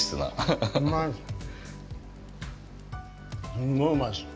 すんごいうまいです。